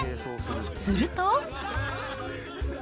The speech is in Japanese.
すると。